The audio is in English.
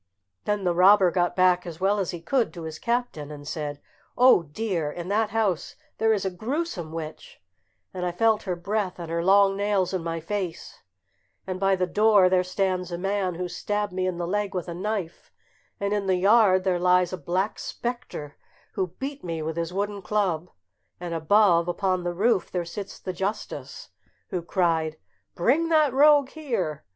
Then the robber got back as well as he could to his captain, and said, "Oh dear! in that house there is a grewsome witch, and I felt her breath and her long nails in my face; and by the door there stands a man who stabbed me in the leg with a knife; and in the yard there lies a black spectre, who beat me with his wooden club; and above, upon the roof, there sits the justice, who cried, 'Bring that rogue here!'